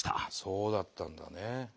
そうだったんだね。